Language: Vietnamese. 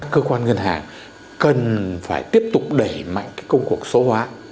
cơ quan ngân hàng cần phải tiếp tục đẩy mạnh cái công cuộc số hóa